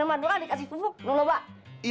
eh gitu yuk nabil